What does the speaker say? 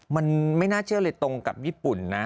มันไม่น่าเชื่อเลยตรงกับญี่ปุ่นนะ